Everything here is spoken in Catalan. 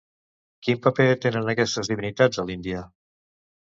Quin paper tenen aquestes divinitats a l'Índia?